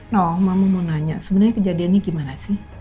noh mama mau nanya sebenernya kejadian itu apa